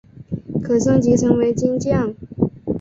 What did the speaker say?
可升级成为金将。